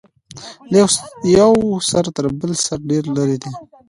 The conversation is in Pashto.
له یوه سر تر بل سر ډیر لرې دی.